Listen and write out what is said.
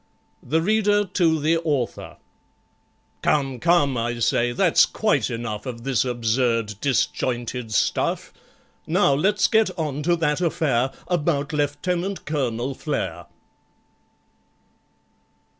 The Reader to the Author Come, come, I say, that's quite enough Of this absurd disjointed stuff; Now let's get on to that affair About LIEUTENANT COLONEL FLARE.